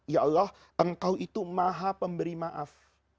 ya allah engkau itu maha pemberi maaf